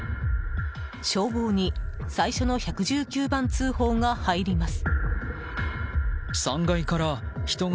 消防に最初の１１９番通報が入ります。